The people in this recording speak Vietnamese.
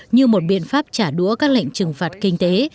như một biện pháp trả đũa các lệnh trừng phạt kinh tế